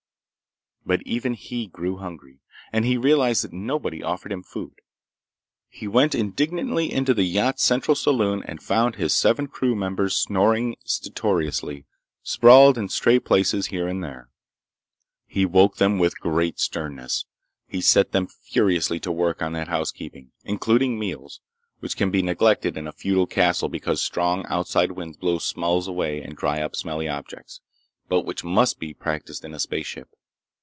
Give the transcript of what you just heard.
But even he grew hungry, and he realized that nobody offered him food. He went indignantly into the yacht's central saloon and found his seven crew members snoring stertorously, sprawled in stray places here and there. He woke them with great sternness. He set them furiously to work on that housekeeping—including meals—which can be neglected in a feudal castle because strong outside winds blow smells away and dry up smelly objects, but which must be practiced in a spaceship.